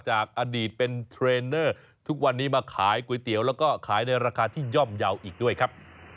จากอดีตเป็นเทรนเนอร์ทุกวันนี้มาขายก๋วยเตี๋ยวแล้วก็ขายในราคาที่ย่อมเยาว์อีกด้วยครับ